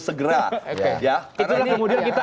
segera itulah kemudian kita